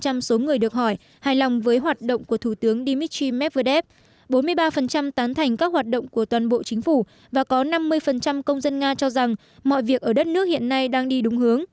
trong khi đó khoảng bốn mươi tám số người được hỏi hài lòng với hoạt động của thủ tướng dmitry medvedev bốn mươi ba tán thành các hoạt động của toàn bộ chính phủ và có năm mươi công dân nga cho rằng mọi việc ở đất nước hiện nay đang đi đúng hướng